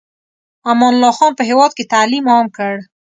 امان الله خان په هېواد کې تعلیم عام کړ.